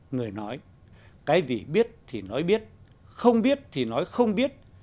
người nói cái gì biết thì nói biết không biết thì nói không biết